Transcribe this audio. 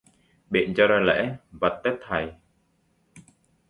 Biện cho ra lễ vật tết Thầy